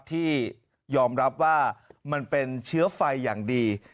ที่ยอมรับว่ามันเป็นเชื้อไฟอย่างดี